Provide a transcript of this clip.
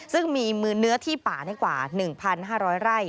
ซึ่งมีมือเนื้อที่ป่าในกว่า๑๕๐๐ไร่